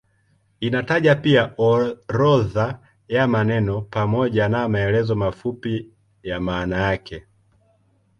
Inataja pia orodha ya maneno pamoja na maelezo mafupi ya maana yake.